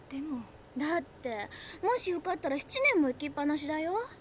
だってもし受かったら７年も行きっぱなしだよ。